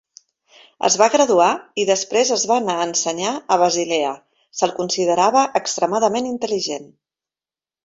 Es va graduar i després es va anar a ensenyar a Basilea, se'l considerava extremadament intel·ligent.